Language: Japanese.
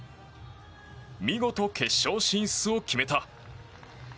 見事、決勝進出を決めた。